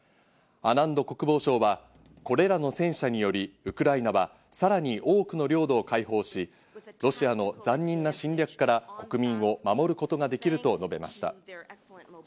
アナンド国防相は、これらの戦車により、ウクライナはさらに多くの領土を解放し、ロシアの残忍な侵略から国民を守ることができると述べました。